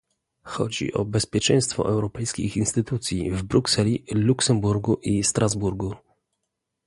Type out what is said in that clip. Chodzi o bezpieczeństwo europejskich instytucji w Brukseli, Luksemburgu i Strasburgu